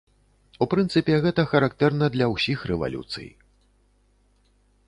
У прынцыпе, гэта характэрна для ўсіх рэвалюцый.